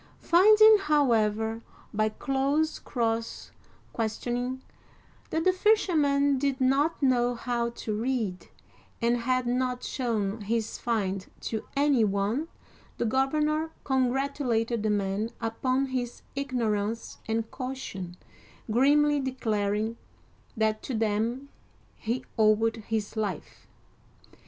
Finding, however, by close cross questioning, that the fisherman did not know how to read, and had not shown his find to any one, the governor congratulated the man upon his ignorance and caution, grimly declaring that to them he owed his life.